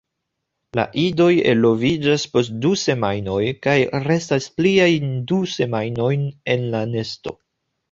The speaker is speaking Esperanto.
La idoj eloviĝas post du semajnoj kaj restas pliajn du semajnojn en la nesto.